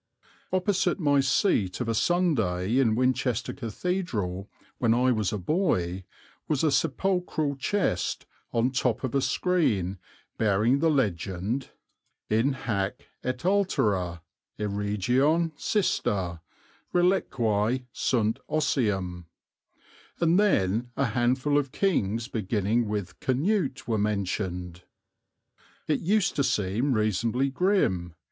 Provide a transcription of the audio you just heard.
Opposite my seat of a Sunday in Winchester Cathedral when I was a boy, was a sepulchral chest on top of a screen bearing the legend "In hâc et alterâ e regione cistâ reliquiæ sunt ossium," and then a handful of kings beginning with Canute were mentioned. It used to seem reasonably grim.